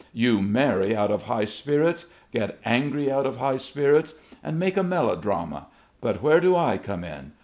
"You marry out of high spirits, get angry out of high spirits, and make a melodrama but where do I come in?